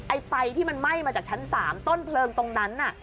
ไฟที่มันไหม้มาจากชั้น๓ต้นเพลิงตรงนั้นน่ะ